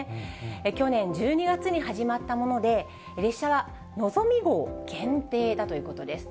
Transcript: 去年１２月に始まったもので、列車はのぞみ号限定だということです。